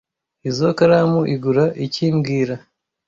Izoi karamu igura iki mbwira